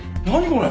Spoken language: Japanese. これ。